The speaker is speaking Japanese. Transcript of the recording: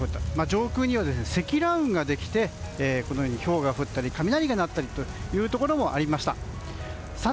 上空には積乱雲ができてひょうが降ったり雷を鳴ったりというところもありました。